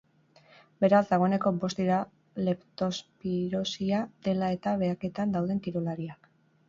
Beraz, dagoeneko bost dira leptospirosia dela eta behaketan dauden kirolariak.